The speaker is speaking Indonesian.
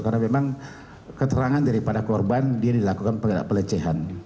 karena memang keterangan daripada korban dia dilakukan pelecehan